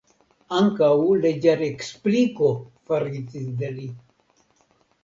Ankaŭ leĝarekspliko faritis de li.